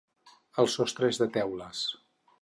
El sostre és de teules.